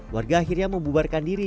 warga akhirnya membubarkan diri